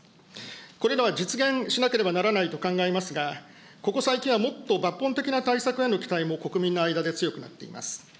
これらは実現しなければならないと考えますが、ここ最近はもっと抜本的対策への期待も国民の間で強くなっています。